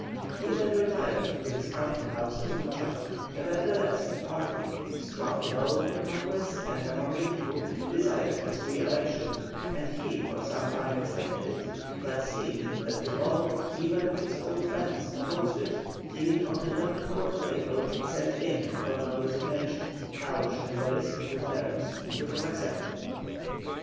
He then retired to his country house at Fucha; nevertheless a party, strong both in Congress and among the people, desired his re election, and he for some time expected it, but seeing that the bulk even of his old friends opposed it, he on the 27th April sent in a formal resignation, couched in very simple terms, which was accepted.